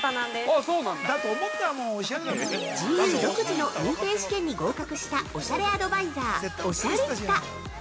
◆ＧＵ独自の認定試験に合格したおしゃれアドバイザーおしゃリスタ。